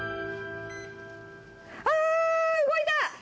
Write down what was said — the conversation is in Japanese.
あぁ動いた！